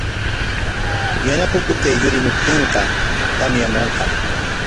Yana pukutay yurimuptinqa tamyamunqam.